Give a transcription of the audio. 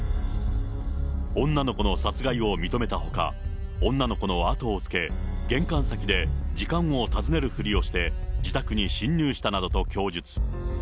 女の子の殺害を認めたほか、女の子のあとをつけ、玄関先で時間を尋ねるふりをして、自宅に侵入したなどと供述。